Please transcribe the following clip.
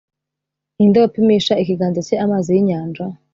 Ni nde wapimisha ikiganza cye amazi y’inyanja,